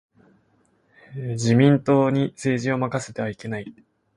自民党に政治を任せてはいけない。